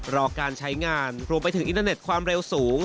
รอการใช้งานรวมไปถึงอินเทอร์เน็ตความเร็วสูง